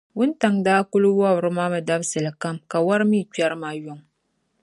Wuntaŋ’ daa kul wɔbiri ma mi dabisili kam, ka wari mi kpɛri ma yuŋ.